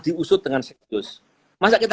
diusut dengan serius masa kita